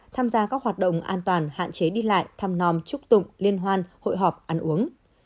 tham gia các hoạt động an toàn hạn chế đi lại thăm non chúc tụng liên hoan hội họp ăn uống